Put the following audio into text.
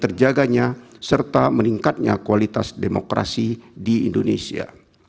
terjaganya serta meningkatnya kualitas demokrasi di indonesia